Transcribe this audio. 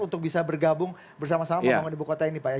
untuk bisa bergabung bersama sama membangun ibu kota ini pak ya